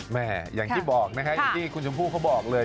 อย่างที่บอกนะฮะอย่างที่คุณชมพู่เขาบอกเลย